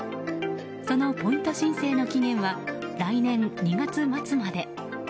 そのポイント申請の期限は来年２月末まで。